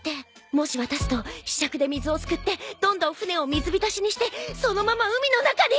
もし渡すとひしゃくで水をすくってどんどん船を水浸しにしてそのまま海の中に！